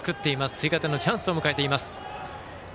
追加点のチャンスを迎えています。